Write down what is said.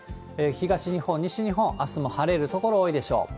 東日本、西日本、あすも晴れる所多いでしょう。